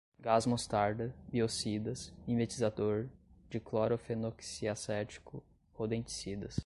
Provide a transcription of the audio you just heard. gás mostarda, biocidas, mimetizador, diclorofenoxiacético, rodenticidas